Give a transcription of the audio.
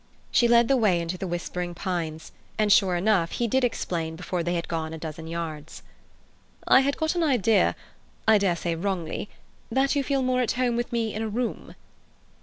She led the way into the whispering pines, and sure enough he did explain before they had gone a dozen yards. "I had got an idea—I dare say wrongly—that you feel more at home with me in a room."